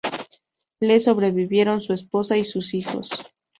Le sobrevivieron su esposa y sus hijos.